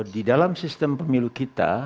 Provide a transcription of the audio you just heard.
di dalam sistem pemilu kita